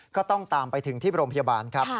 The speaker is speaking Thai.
ก็ต้องตามไปถึงที่โรงพยาบาลครับ